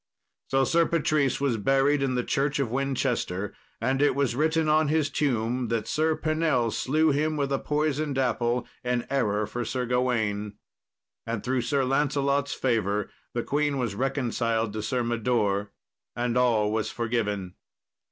So Sir Patrice was buried in the church of Winchester, and it was written on his tomb that Sir Pinell slew him with a poisoned apple, in error for Sir Gawain. Then, through Sir Lancelot's favour, the queen was reconciled to Sir Mador, and all was forgiven.